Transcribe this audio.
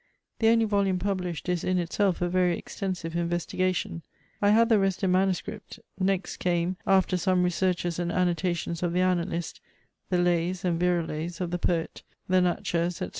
The only volume published is in itself a very extensive investigation ; I had the rest in manuscript ; next came, after some researches and annotations of the annalist, the lays and virelays of the poet, the Natchez, &c.